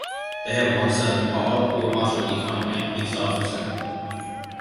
They had one son, Paul who also became a police officer.